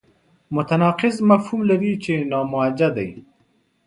متناقض مفهوم لري چې ناموجه دی.